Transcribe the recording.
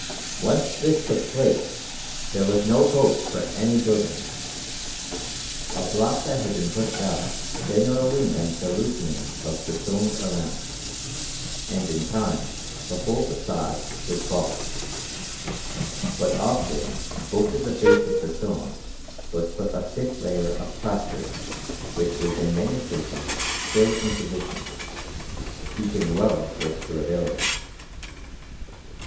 Once this took place there was no hope for any building. A block that had been pushed out generally meant the loosening of the stones around, and in time the whole façade would fall. But often over the face of the stones was put a thick layer of plaster which is in many cases still in position, speaking well for its durability.